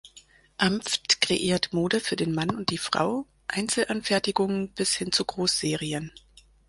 Amft kreiert Mode für den Mann und die Frau, Einzelanfertigungen bis hin zu Großserien.